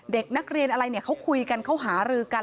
เด็กนักเรียนอะไรเนี่ยเขาคุยกันเขาหารือกัน